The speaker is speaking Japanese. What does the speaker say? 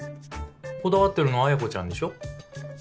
こだわってるの彩子ちゃんでしょ？